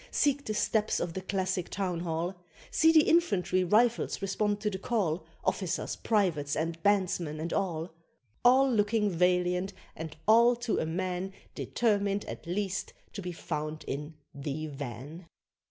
seek the steps of the classic Town Hall: See the infantry Rifles respond to the call, Officers, privates, and bandsmen, and all; All looking valiant, and all to a man Determined at least to be found in "the van."